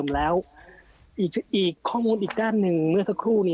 แล้วอีกข้อมูลอีกด้านหนึ่งเมื่อสักครู่